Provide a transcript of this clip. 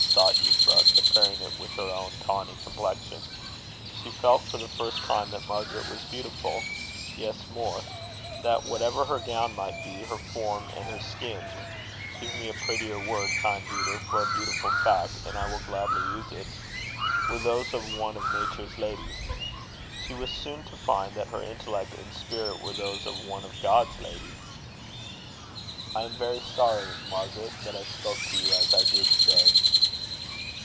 thought Euphra, comparing it with her own tawny complexion. She felt, for the first time, that Margaret was beautiful yes, more: that whatever her gown might be, her form and her skin (give me a prettier word, kind reader, for a beautiful fact, and I will gladly use it) were those of one of nature's ladies. She was soon to find that her intellect and spirit were those of one of God's ladies. "I am very sorry, Margaret, that I spoke to you as I did today."